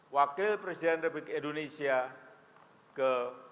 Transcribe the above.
wakil presiden republik indonesia ke sebelas